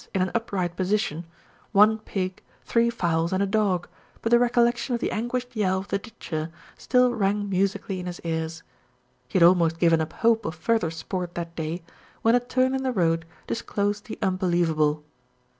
in an upright posi tion, one pig, three fowls and a dog; but the recollec tion of the anguished yell of the ditcher still rang musi cally in his ears. He had almost given up hope of further sport that day, when a turn in the road disclosed the unbeliev able.